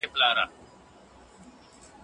پس د ماښامه دې پنځډزی ګرځوينه